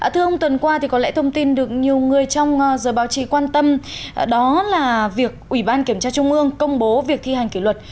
thưa ông tuần qua thì có lẽ thông tin được nhiều người trong giờ báo chí quan tâm đó là việc ủy ban kiểm tra trung ương công bố việc thi hành kỷ luật